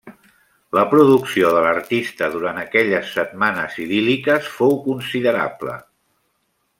La producció de l'artista durant aquelles setmanes idíl·liques fou considerable.